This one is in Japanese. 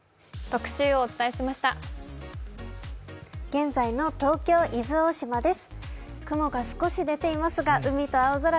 現在の東京・伊豆大島です。